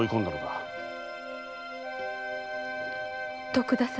徳田様。